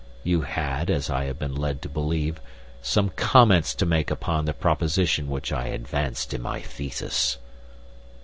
You had, as I have been led to believe, some comments to make upon the proposition which I advanced in my thesis."